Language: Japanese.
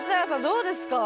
どうですか？